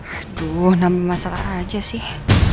aduh nambah masalah aja sih